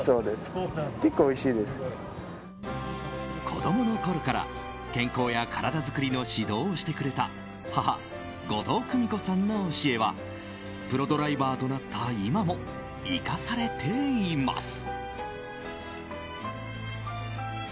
子供のころから健康や体作りの指導をしてくれた母・後藤久美子さんの教えはプロドライバーとなった今も生かされています。